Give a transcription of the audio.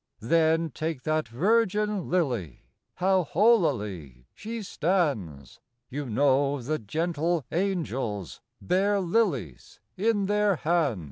Then take that virgin lily, How holily she stands ! You know the gentle angels Bear lilies in their hands.